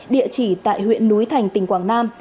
địa chỉ tại huyện núi thành tỉnh quảng nam